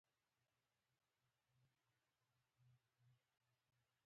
جلانه ! څوک د ونو منځ کې خوروي لاسونه ؟